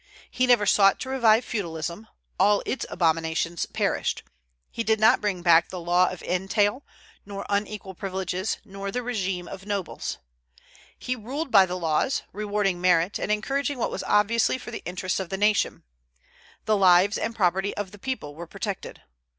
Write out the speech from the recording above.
He never sought to revive feudalism; all its abominations perished. He did not bring back the law of entail, nor unequal privileges, nor the régime of nobles. He ruled by the laws; rewarding merit, and encouraging what was obviously for the interests of the nation. The lives and property of the people were protected.